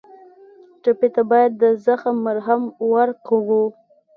ټپي ته باید د زخم مرهم ورکړو.